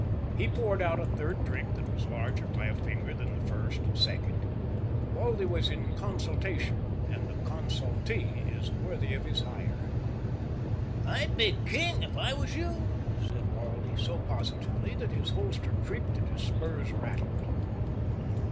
He poured out a third drink that was larger by a finger than the first and second. Baldy was in consultation; and the consultee is worthy of his hire. "I'd be king if I was you," said Baldy, so positively that his holster creaked and his spurs rattled.